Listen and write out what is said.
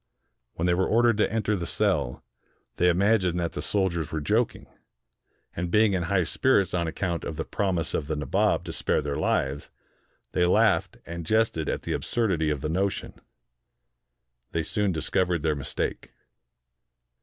When they were ordered to enter the cell, they imagined that the soldiers were joking; and, being in high spirits on account of the promise of the Nabob to spare their lives, they laughed and jested at the absurdity of the notion. They soon discovered their mistake.